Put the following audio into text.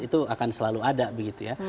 itu akan selalu ada begitu ya